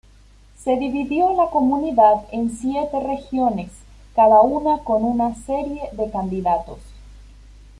Se dividió la comunidad en siete regiones, cada una con una serie de candidatos.